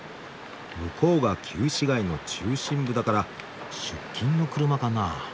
向こうが旧市街の中心部だから出勤の車かな？